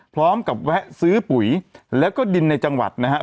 พร้อมกับแวะซื้อปุ๋ยแล้วก็ดินในจังหวัดนะครับ